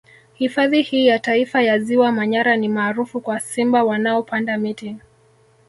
Hifadhi hii ya Taifa ya Ziwa Manyara ni maarufu kwa Simba wanaopanda miti